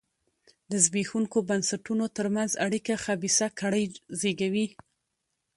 د زبېښونکو بنسټونو ترمنځ اړیکه خبیثه کړۍ زېږوي.